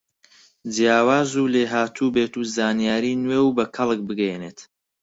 جیاواز و لێهاتووبیت و زانیاری نوێ و بە کەڵک بگەیەنیت